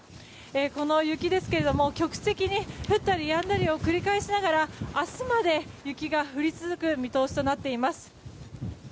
この雪ですけれども局地的に降ったりやんだりを繰り返しながら明日まで雪が降り続く見通しとなっています。